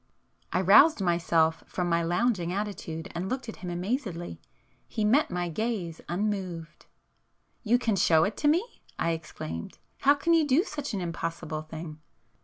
I roused myself from my lounging attitude and looked at him amazedly. He met my gaze unmoved. "You can show it to me!" I exclaimed—"How can you do such an impossible thing?"